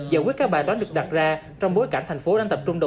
giải quyết các bài toán được đặt ra trong bối cảnh thành phố đang tập trung đầu